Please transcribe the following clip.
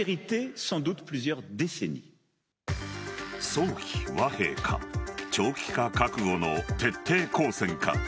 早期和平か長期化覚悟の徹底抗戦か。